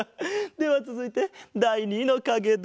ではつづいてだい２のかげだ。